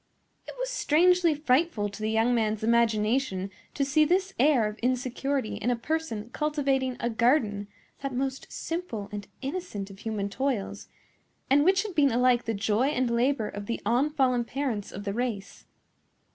It was strangely frightful to the young man's imagination to see this air of insecurity in a person cultivating a garden, that most simple and innocent of human toils, and which had been alike the joy and labor of the unfallen parents of the race.